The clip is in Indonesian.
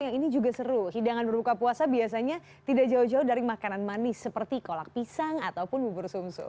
yang ini juga seru hidangan berbuka puasa biasanya tidak jauh jauh dari makanan manis seperti kolak pisang ataupun bubur sum sum